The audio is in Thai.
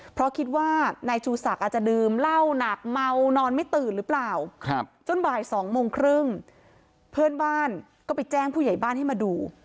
เพราะคิดว่านายชูศักดิ์อาจจะดื่มเหล้าหนักเมานอนไม่ตื่นหรือเปล่าจนบ่าย๒โมงครึ่งเพื่อนบ้านก็ไปแจ้งผู้ใหญ่บ้านให้มาดู